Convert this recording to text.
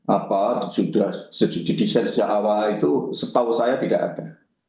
apa sudah didesain sejak awal itu setahu saya tidak ada